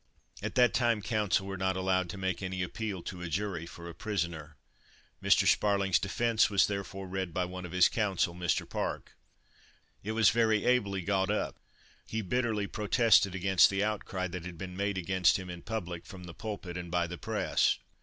At that time counsel were not allowed to make any appeal to a jury for a prisoner. Mr. Sparling's defence was therefore read by one of his counsel, Mr. Park. It was very ably got up. He bitterly protested against the outcry that had been made against him in public, from the pulpit and by the press.